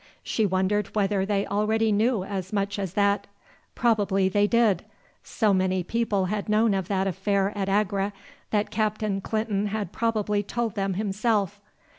She wondered whether they already knew as much as that. Probably they did. So many people had known of that affair at Agra, that Captain Clinton had probably told them himself.